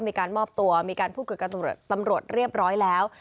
มีการมอบตัวมีการพูดคุยกับตำรวจเรียบร้อยแล้ว